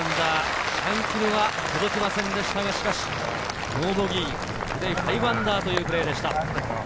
チャン・キムは届きませんでしたがノーボギー、Ｔｏｄａｙ−５というプレーでした。